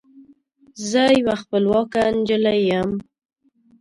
زه یوه خپلواکه نجلۍ یم